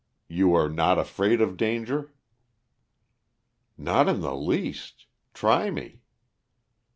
You are not afraid of danger?" "Not in the least. Try me."